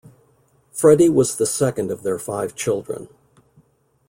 Fredi was the second of their five children.